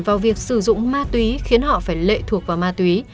vào việc sử dụng ma túy khiến họ phải lệ thuộc vào ma túy